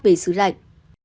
về xứ lạnh